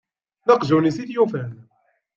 D aqjun-is i t-yufan.